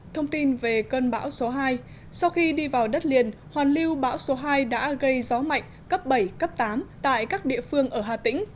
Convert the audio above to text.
thông tin về cơn bão số hai sau khi đi vào đất liền hoàn lưu bão số hai đã gây gió mạnh cấp bảy cấp tám tại các địa phương ở hà tĩnh